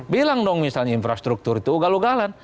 bilang dong misalnya infrastruktur itu ugal ugalan